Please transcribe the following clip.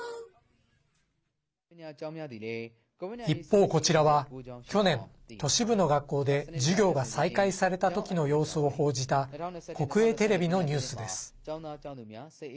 一方、こちらは去年都市部の学校で授業が再開されたときの様子を報じた国営テレビのニュースです。